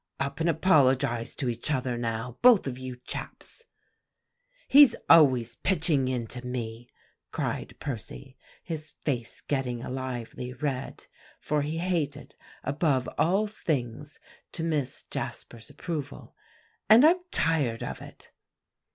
Up and apologize to each other, now, both of you chaps." "He's always pitching into me," cried Percy, his face getting a lively red, for he hated above all things to miss Jasper's approval; "and I'm tired of it."